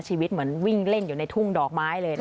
ชีวิตเหมือนวิ่งเล่นอยู่ในทุ่งดอกไม้เลยนะคะ